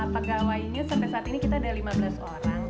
pegawainya sampai saat ini kita ada lima belas orang